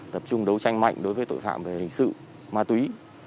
tập trung đấu tranh mạnh đối với tội phạm về hình sự ma túy